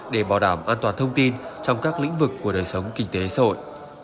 để bảo đảm an toàn thông tin trong các lĩnh vực của đời sống kinh tế sội